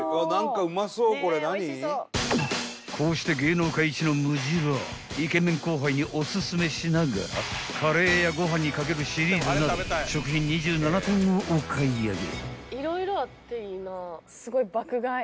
［こうして芸能界一のムジラーイケメン後輩におすすめしながらカレーやご飯に掛けるシリーズなど食品２７点をお買い上げ］